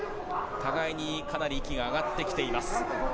互いにかなり息が上がってきています。